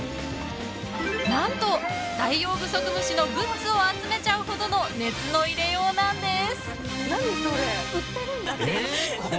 何とダイオウグソクムシのグッズを集めちゃうほどの熱の入れようなんです。